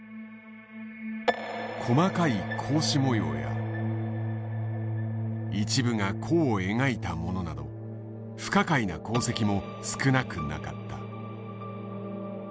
細かい格子模様や一部が弧を描いたものなど不可解な航跡も少なくなかった。